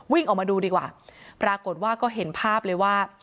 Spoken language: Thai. วิ่งออกมาดูดีกว่าปรากฏว่าก็เห็นภาพเลยว่า